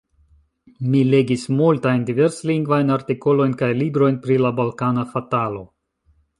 Mi legis multajn, diverslingvajn artikolojn kaj librojn pri la balkana fatalo.